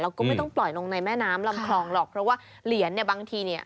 ก็ไม่ต้องปล่อยลงในแม่น้ำลำคลองหรอกเพราะว่าเหรียญเนี่ยบางทีเนี่ย